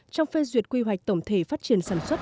trong phê duyệt quy hoạch tổng thể phát triển sản xuất